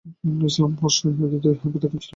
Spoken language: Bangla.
ইসলাম প্রশ্নে ইহুদীদের পদক্ষেপ ছিল মারাত্মক।